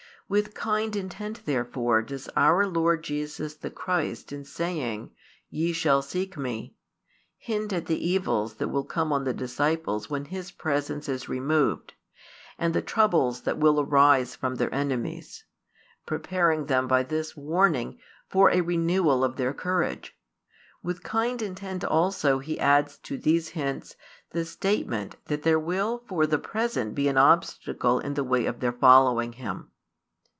With kind intent therefore does our Lord Jesus the Christ in saying "Ye shall seek Me" hint at the evils that will come on the disciples when His presence is removed, and the troubles that will arise from their enemies; preparing them by this warning for a renewal of their courage: with kind intent also He adds to these hints the statement that there will for the present be an obstacle in the way of their following Him.